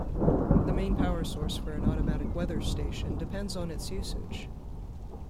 The main power source for an automatic weather station depends on its usage.